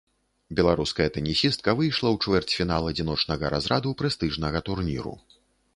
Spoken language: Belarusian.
Беларуская тэнісістка выйшла ў чвэрцьфінал адзіночнага разраду прэстыжнага турніру.